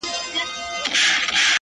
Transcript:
د شپې نيمي كي.